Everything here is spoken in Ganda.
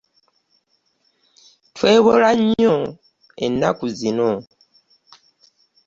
Twewola nnyo ennaku zino.